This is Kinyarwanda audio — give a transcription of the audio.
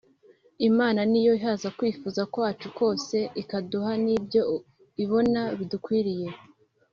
Imana niyo ihaza kwifuza kwacu kose ikaduha nibyo ibona bidukwiriye